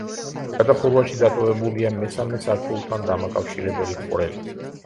გადახურვაში დატოვებულია მესამე სართულთან დამაკავშირებელი ხვრელი.